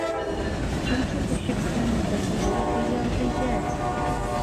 كنت أحبّ مدرّس الرّياضيّات.